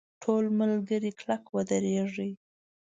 ټول ملګري کلک ودرېږئ!.